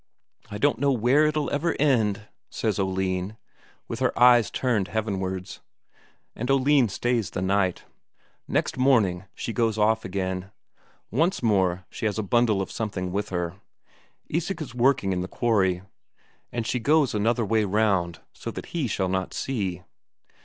"I don't know where it'll ever end," says Oline, with her eyes turned heavenwards. And Oline stays the night. Next morning she goes off again. Once more she has a bundle of something with her. Isak is working in the quarry, and she goes another way round, so that he shall not see.